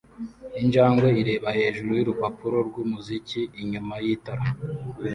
Injangwe ireba hejuru y'urupapuro rw'umuziki inyuma y'itara